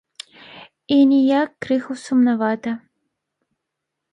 І неяк крыху сумнавата.